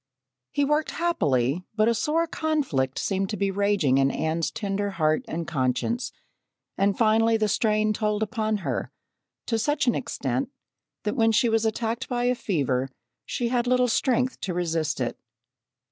He worked happily but a sore conflict seemed to be raging in Anne's tender heart and conscience, and finally the strain told upon her to such an extent that when she was attacked by a fever, she had little strength to resist it.